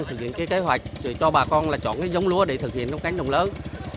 cho bà con nh época chọn giống comic để thực hiện con cánh nồng lớn